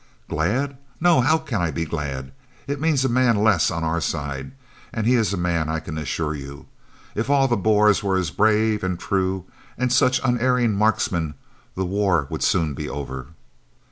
"Glad? No, how can I be glad? It means a man less on our side and he is a man, I can assure you. If all the Boers were as brave and true and such unerring marksmen the war would soon be over."